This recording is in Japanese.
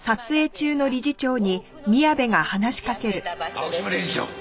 青嶋理事長！